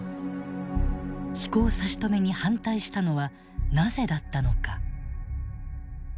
飛行差し止めに反対したのはなぜだったのか。